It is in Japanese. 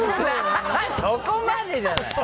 そこまでじゃない。